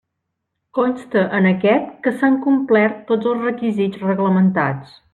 Consta en aquest que s'han complert tots els requisits reglamentats.